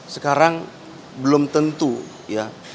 sekarang belum tentu ya